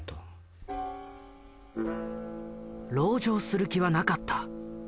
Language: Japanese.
「ろう城する気はなかった」。